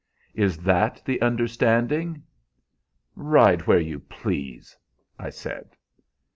'Is that the understanding?' "'Ride where you please,' I said.